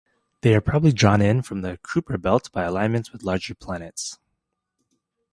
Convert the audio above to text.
They are probably drawn in from the Kuiper belt by alignments with larger planets.